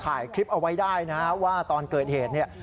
ถ่ายคลิปเอาไว้ได้นะฮะว่าตอนเกิดเหตุเนี่ย